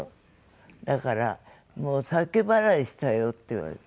「だからもう先払いしたよ」って言われて。